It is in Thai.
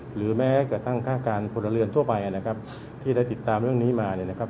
หรือแม้กระทั่งฆ่าการพลเรือนทั่วไปนะครับที่ได้ติดตามเรื่องนี้มาเนี่ยนะครับ